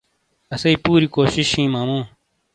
اسی پوری کوشش ہیں ماموں